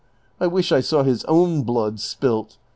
I wish I saw his own blood spilt